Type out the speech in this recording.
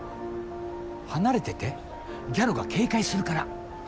離れててギャロが警戒するから。